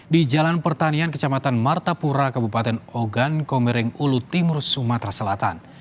di jalan pertanian kecamatan martapura kabupaten ogan komering ulu timur sumatera selatan